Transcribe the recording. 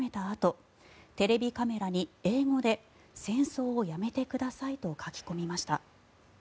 あとテレビカメラに英語で戦争をやめてくださいと書き込みました。